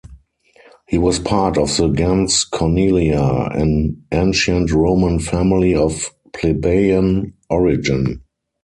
He was part of the gens Cornelia, an ancient Roman family of plebeian origin.